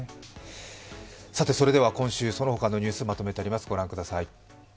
それでは今週、そのほかのニュース、まとめてあります。